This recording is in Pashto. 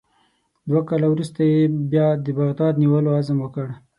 دوه کاله وروسته یې بیا د بغداد د نیولو عزم وکړ.